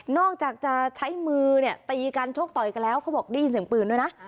อกจากจะใช้มือเนี่ยตีกันชกต่อยกันแล้วเขาบอกได้ยินเสียงปืนด้วยนะ